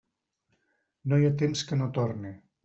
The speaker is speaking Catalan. No hi ha temps que no torne.